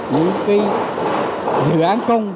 những cái dự án công